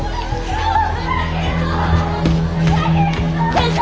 先生！